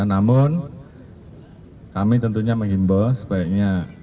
namun kami tentunya mengimbau sebaiknya